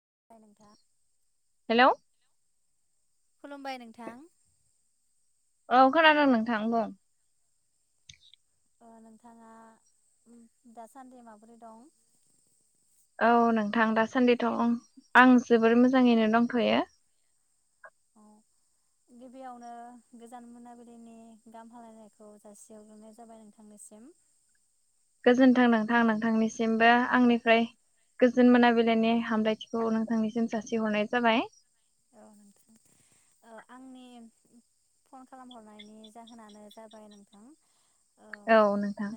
[unintelligible] हेल'। खुलुमबाय नोंथां। औ खोनादों नोंथां बुं। ओ नोंथाङा ओम दासान्दि माबोरै दं? औ नोंथां दासान्दिथ' ओं आं जोबोर मोजाङैनो दंथ'यो। औ गिबियावनो गोजान मोनाबिलिनि गाहाम हालायनायखौ जासिग्रोनाय जाबाय नोंथांनिसिम। गोजोन्थों नोंथां नोंथांनिसिमबो आंनिफ्राय गोजोन मोनाबिलिनि हामलायथिखौ नोंथांनिसिम जासिहरनाय जाबाय। औ ओ नोंथां आंनि फन खालामहरनायनि जाहोनानो जाबाय नोंथां औ नोंथां।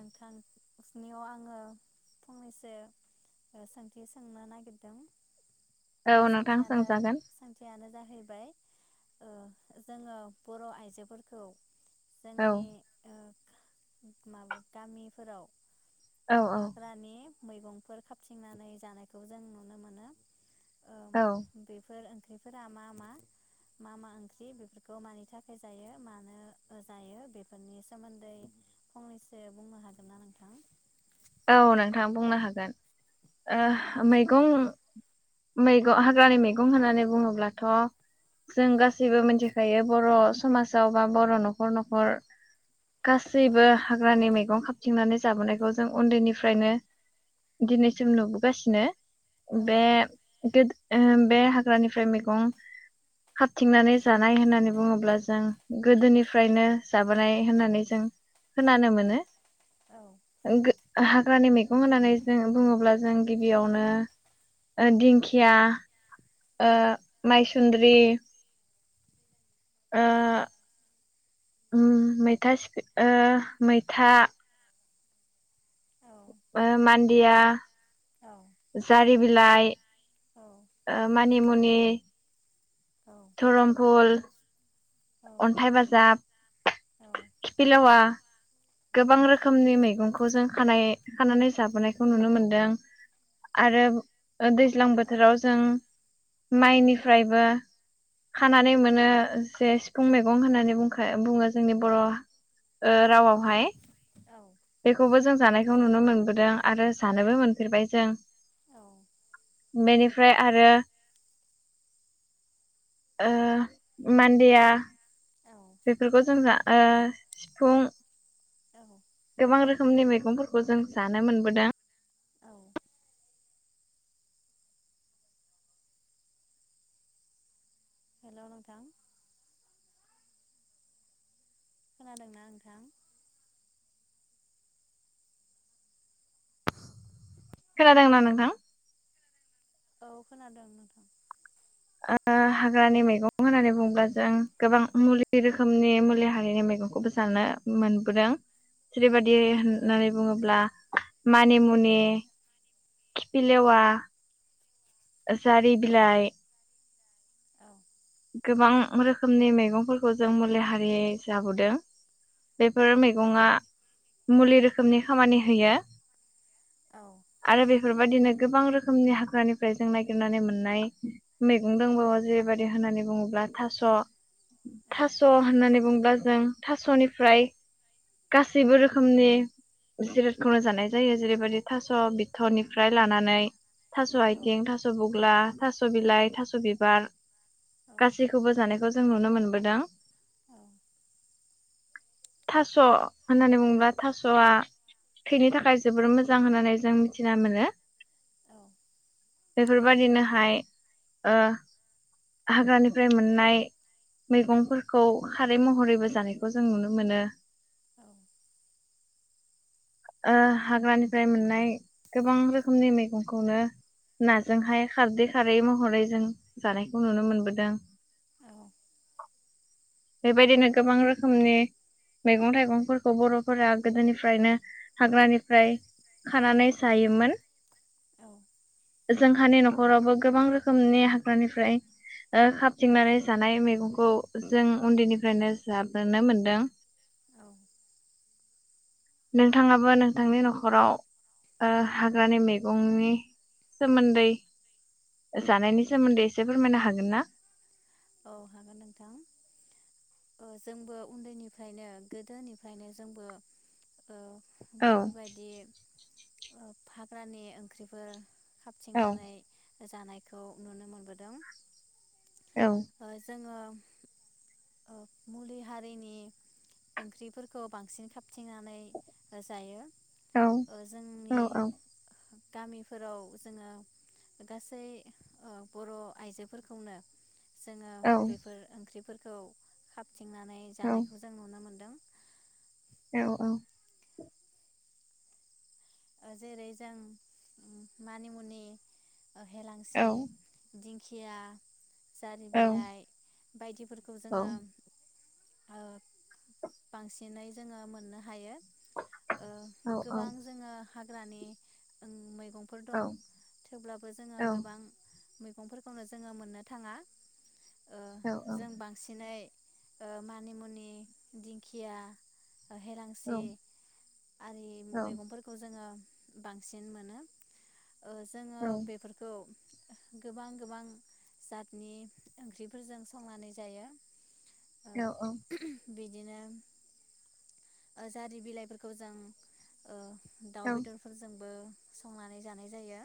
स्नियाव आङो फंनैसो ओ सोंथि सोंनो नागिरदों। औ नोंथां सोंथियानो सोंजागोन। जाहैबाय ओ जोङो बर' आइजोफोरखौ औ। जोंनि ओ माबा गामिफोराव औ औ हाग्रानि मैगंफोर खाबथिंनानै जानायखौ जों नुनो मोनो। ओ औ। [unintelligible] ओंख्रिफोरा मा मा मा मा ओंख्रि बेफोरखौ मानि थाखाय जायो मानो जायो बेफोरनि सोमोन्दै फंनैसो बुंनो हागोनना नोंथां? औ नोंथां बुंनो हागोन। दे ओ बुंलायसाय मैगं मैगं हाग्रानि मैगं होननानै बुङोब्लाथ' जों गासैबो मिथिखायो बर' समाजाव बा बर' न'खर न'खर औ गासैबो हाग्रानि मैगं खाबथिंनानै जाबोनायखौ जों उन्दैनिफ्रायनो दिनैसिम नुबोगासिनो। औ बे बे ओ बे हाग्रानिफ्राय मैगं हाबथिंनानै जानाय होननानै बुङोब्ला जों औ गोदोनिफ्रायनो जाबो नाय होननानै जों खोनानो मोनो। औ। [unintelligible] हाग्रानि मैगं होननानै जों बुङोब्ला जों गिबियावनो ओ दिंखिया ओ औ मायस सुन्द्रि औ। उम मैथा सिख ओ मैथा ओ मानदिया औ। जारि बिलाइ ओ मानिमुनि धरमफुल अन्थाइ बाजाब खिफि लेवा गोबां रोखोमनि मैगंखौ जों खानाय खानानै जाबोनायखौ नुनो मोनदों आरो ओ दैज्लां बोथोराव जों माइनिफ्रायबो खानानै मोनो जे सिफुं मैगं होननानै बुंखा बुङो जोंनि बर' ओ रावाव हाय औ। बेखौबो जों जानायखौ नुनो मोनबोदों आरो जानोबो मोनफेरबाय जों बेनिफ्राय आरो ओ मान्देया बेफोरखौ जों जा ओ सिफुं औ। गोबां रोखोमनि मैगंफोरखौ जों जानो मोनबोदों। औ हेल' नोंथां। खोनादोंना नोंथां? खोनादोंना नोंथां? औ खोनादों नोंथां। ओ हाग्रानि मैगं होननानै बुङोब्ला जों गोबां मुलि रोखोमनि मुलि हारिनि मैगंखौबो जानो मोनबोदों जेरै बा दि औ होननानै बुङोब्ला मानिमुनि, खिफिलेवा, जारि बिलाइ औ गोबां रोखोमनि मैगंफोरखौ जों मुलि हारि जाबोदों बेफोर औ मैगंआ मुलि रोखोमनि खामानि होयो। औ आरो बेफोर बायदिनो गोबां रोखोमनि हाग्रानिफ्राय जों नागिरनानै मोननाय मैगं दंबावो जेरैबादि होननानै बुङोब्ला थास' औ थास' होननानै बुङोब्ला जों थास'निफ्राय गासैबो रोखोमनि जिरादखौनो जानाय जायो जेरैबायदि थास' बिथ'निफ्राय लानानै थास' औ आथिं, थास' बुग्ला, थास' बिलाइ, थास' बिबार गासैखौबो जानायखौ जों नुनो मोनबोदों थास' होननानै बुङोब्ला थास'आ थैनि थाखाय जोबोर मोजां होननानै जों मिथिना मोनो। औ। बेफोरबादिनोहाय ओ हाग्रानिफ्राय मोननाय मैगंफोरखौ खारै महरैबो जानायखौ जों नुनो मोनो। ओ हाग्रानिफ्राय मोननाय गोबां रोखोमनि मैगंखौनो नाजोंहाय खारदै खारै महरै जों जानायखौ नुनो मोनबोदों। औ। [inaudible] बेबायदिनो गोबां रोखोमनि मैगं थाइगंफोरखौ बर'फोरा गोदोनिफ्रायनो हाग्रानिफ्राय खानानै जायोमोन। औ। जोंहानि न'खरावबो गोबां रोखोमनि हाग्रानिफ्राय ओ खाबथिंनानै जानाय मैगंखौ जों उन्दैनिफ्रायनो जाबोनो मोनदों। औ नोंथाङाबो नोंथांनि न'खराव ओ हाग्रानि मैगंनि सोमोन्दै जानायनि सोमोन्दै एसे फोरमायनो हागोन ना? औ हागोन नोंथां। ओ जोंबो उन्दैनिफ्रायनो गोदोनिफ्रायनो जोंबो ओ औ बेफोरबायदि फाग्रानि ओंख्रिफोर औ खाबथिंनानै जानायखौ नुनो मोनबोदों। औ। जोङो मुलि हारिनि ओंख्रिफोरखौ बांसिन खाबथिंनानै जायो। औ औ जोंनि औ गामिफोराव जोङो गासै बर' आइजोफोरखौनो जोङो औ बेफोर ओंख्रिफोरखौ [inaudible] खाबथिंनानै औ जानायखौ जों नुनो मोन्दों। औ औ। जेरै जों मानि मुनि औ हेेलांसि, दिं खिया। जारि औ बिलाइ बायदिफोरखौ औ जोङो बांसिनै जोङो मोननो हायो। गोबां औ जोङो। हाग्रानि मै गंफोर दं थेवब्लाबो जोङो गोबां मैगंफोरखौनो जोङो मोननो थाङा। जों बांसिनै मानि मुनि दिंखिया हेलांसि आरि मैगंफोरखौ जोङो बांसिन मोनो। जोङो बेफोरखौ गोबां गोबां जातनि ओंख्रिफोरजों संनानै जायो। ओ औ औ। बिदिनो। जारि बिलाइफोरखौ जों ओ दाउ बेदरफोरजोंबो संनानै जानाय जायो।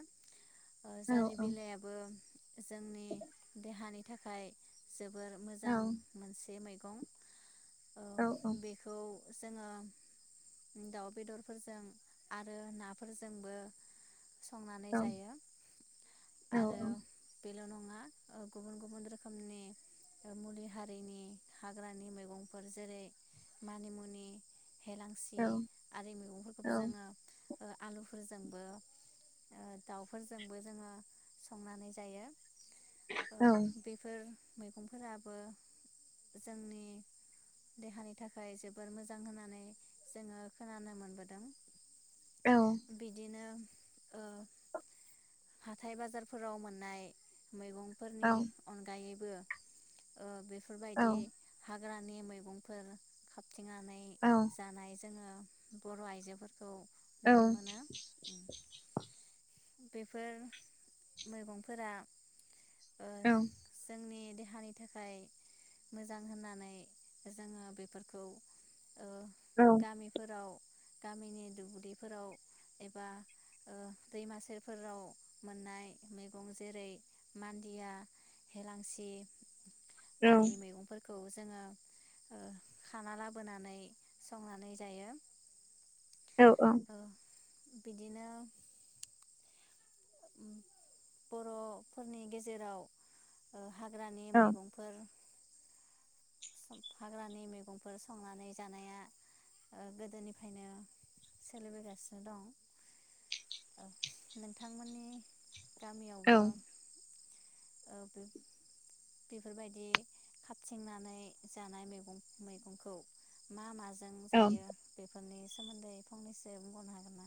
जारि बिलाइबो [unintelligible] देहानि थाखाय जोबोद जोबोर मोजां मोनसे मैगं। [unintelligible] ओ बेखौ जोङो दाउ बेदरफोरजों आरो नाफोरजोंबो। संनानै जायो आरो बेल' नङा। [unintelligible] गुबुन गुबुन रोखोमनि मुलि हारिनि हाग्रानि मैगंफोर जेरै मानिमुनि हेेलांसि आरो मैगंफोरखौबो जोङो ओ आलुफोरजोंबो। ओ दाउफोरजोंबो जोङो संनानै जायो। ओ बेफोर मैगंफोराबो जोंनि देहानि थाखाय जोबोद जोबोर मोजां होननानै जोङो खोनानो मोनबोदों। बिदिनो ओ हाथाय बाजारफोराव मोननाय। मैगंफोरनि अनगायै ओ ओ बे बेफोरबायदि हा हाग्रानि मैगंफोर। खांथिंनानै जानाय जोङो बर' आइजोफोरखौ औ। नुनो मोनो बेफोर मैगंफोरा ओ औ। जोंनि देहानि थाखाय मोजां होननानै जोङो बेफोर खौ। ओ गामिफोराव गामिनि दुब्लिफोराव एबा ओ दैमा सेेरफोराव मोननाय मैगं जेरै मान्दिया हेेलांसि आरि मैगंफोर। खौ जोङो ओ खाना लाबोनानै संनानै जायो। औ औ। ओ बिदिनो बर'फोरनि गेजेराव ओ हाग्रानि मैगंफोर। हाग्रानि मैगंफोर संनानै जानाया ओ गोदोनिफ्रायनो सोलिबोगासिनो दं औ नोंथांमोननि गामियावबो औ ओ बेफोरबायदि खाबथिंनानै जानाय मैगं मैगंखौ मा मा जों जों औ औ जायो बे फोरनि सोमोन्दै फंनैसो बुंबावनो हागोन ना?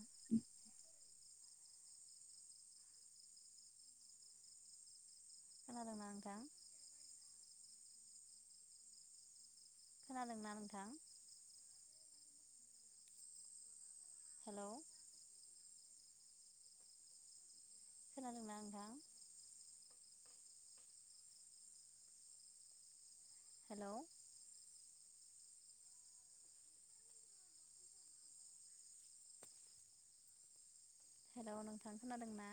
खोनादोंना नोंथां? खोनादोंना नोंथां? हेल' खोनादोंना नोंथां? हेल' हेल' नोंथां खोनादों ना?